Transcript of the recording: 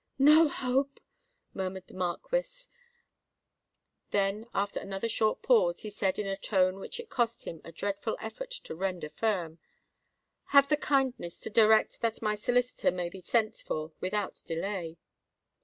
"No hope!" murmured the Marquis: then after another short pause, he said in a tone which it cost him a dreadful effort to render firm, "Have the kindness to direct that my solicitor may be sent for without delay."